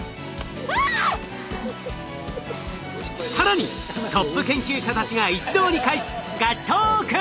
更にトップ研究者たちが一堂に会しガチトーク！